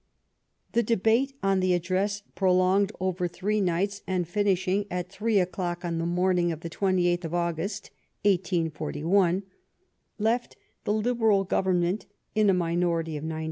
The debate on the Address, prolonged over three nights and finish ing at three o'clock on the morning of the 28th of August, 1 84 1, left the Liberal Government in a minority of 91.